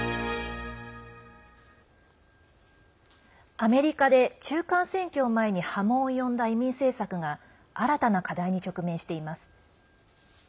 アメリカで中間選挙を前に波紋を呼んだ移民政策が新たな課題に直面しています。